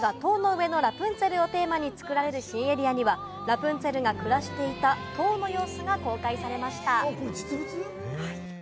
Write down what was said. そして世界で初めて映画『塔の上のラプンツェル』をテーマに作られる新エリアにはラプンツェルが暮らしていた島の様子が公開されました。